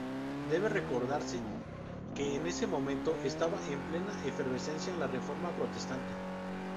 Debe recordarse que en ese momento estaba en plena efervescencia la Reforma protestante.